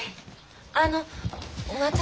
あの私は。